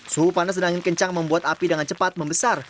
suhu panas dan angin kencang membuat api dengan cepat membesar